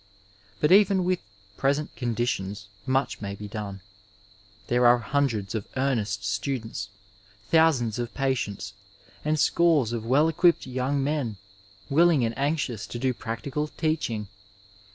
But even with present conditions much may be done. There are hundreds of earnest students, thousands of patients, and scores of wdl equipped young men willing and anxious to do practical teaching.